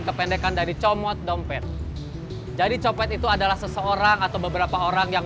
kependekan dari comot dompet jadi copet itu adalah seseorang atau beberapa orang yang